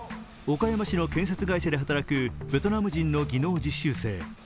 岡山市の建設会社で働くベトナム人の技能実習生。